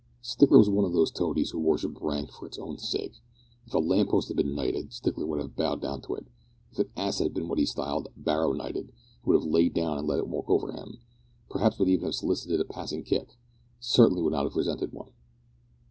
Stickler was one of those toadies who worship rank for its own sake. If a lamp post had been knighted Stickler would have bowed down to it. If an ass had been what he styled "barrow knighted," he would have lain down and let it walk over him perhaps would even have solicited a passing kick certainly would not have resented one.